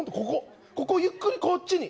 ここゆっくりこっちに。